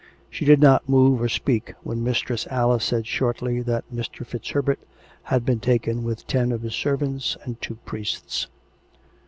She did not move or speak when Mistress Alice said shortly that Mr. FitzHerbert had been taken with ten of his servants and two priests.